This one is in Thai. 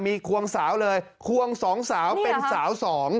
มีควงสาวเลยควง๒สาวเป็นสาว๒